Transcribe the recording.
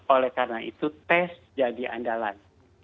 oleh karena itu tes jadi andalan